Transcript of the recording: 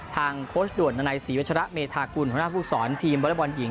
ทางโค้ชด่วนนัยศรีวัชระเมธากุลหัวหน้าภูมิสอนทีมบริบอลหญิง